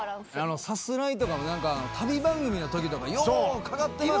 『さすらい』とかも旅番組のときとかようかかってました。